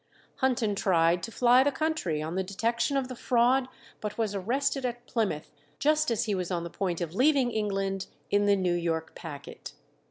Hunton tried to fly the country on the detection of the fraud, but was arrested at Plymouth just as he was on the point of leaving England in the New York packet.